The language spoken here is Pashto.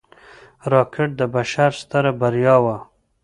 راکټ د بشر ستره بریا وه